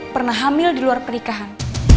pernah hamil di luar pernikahan